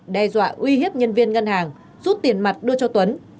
đe dọa uy hiếp nhân viên ngân hàng rút tiền mặt đưa cho tuấn